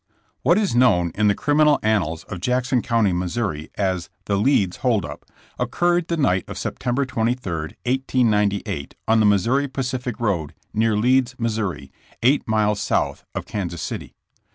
W HAT is known in the criminal annals of Jackson County, Missouri, as "The Leeds Hold up/* occurred the night of Septem ber 23, 1898, on the Missouri Pacific road near Leeds, Mo., eight miles south of Kansas City.